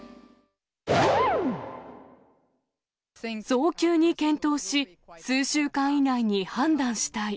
早急に検討し、数週間以内に判断したい。